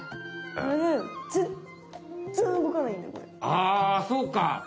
ああそうか！